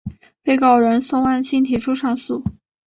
被告人宋万新提出上诉。